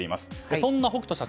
そんな北斗社長